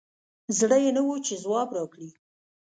زړه یي نه وو چې ځواب راکړي